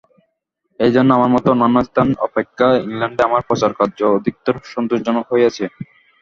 এই জন্য আমার মতে অন্যান্য স্থান অপেক্ষা ইংলণ্ডে আমার প্রচারকার্য অধিকতর সন্তোষজনক হইয়াছে।